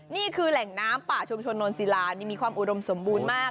นี่คือแหล่งน้ำป่าชุมชนนนศิลานี่มีความอุดมสมบูรณ์มาก